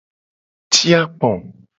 Ci akpo.